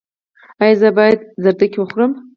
ایا زه باید ګازرې وخورم؟